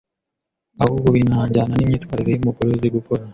ahubwo binajyana n’imyitwarire y’umugore uzi gukora,